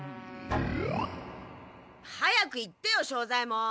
早く言ってよ庄左ヱ門。